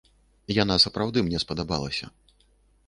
Яна сапраўды мне спадабалася.